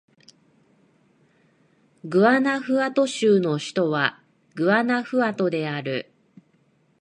グアナフアト州の州都はグアナフアトである